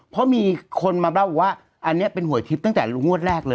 เพราะมีคนมาเล่าว่าอันนี้เป็นหวยทิพย์ตั้งแต่งวดแรกเลย